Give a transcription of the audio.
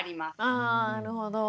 あなるほど。